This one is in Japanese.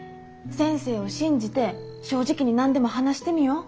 先生を信じて正直に何でも話してみよう。